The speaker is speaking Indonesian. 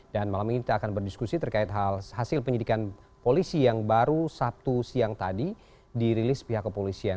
malam ini kita akan berdiskusi terkait hasil penyidikan polisi yang baru sabtu siang tadi dirilis pihak kepolisian